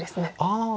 ああ